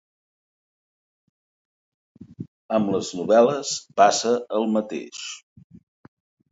Amb les novel·les passa el mateix.